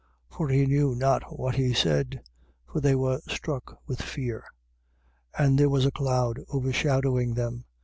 9:5. For he knew not what he said: for they were struck with fear. 9:6. And there was a cloud overshadowing them.